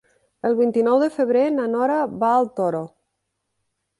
El vint-i-nou de febrer na Nora va al Toro.